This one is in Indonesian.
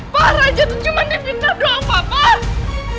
pak raja itu cuma dipindah berapa pak